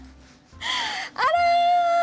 あら。